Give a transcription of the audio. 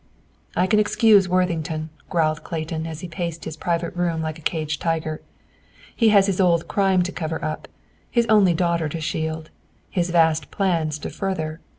"I can excuse Worthington," growled Clayton, as he paced his private room like a caged tiger. "He has his old crime to cover up, his only daughter to shield, his vast plans to further.